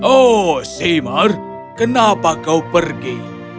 oh seimar kenapa kau pergi